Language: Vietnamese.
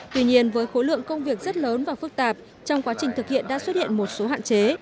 tuy nhiên với khối lượng công việc rất lớn và phức tạp trong quá trình thực hiện đã xuất hiện một số hạn chế